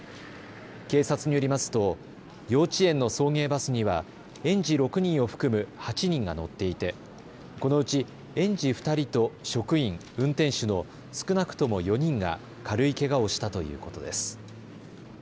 警察によりますと幼稚園の送迎バスには園児６人を含む８人が乗っていてこのうち園児２人と職員、運転手の少なくとも４人が軽いけがをしたということです。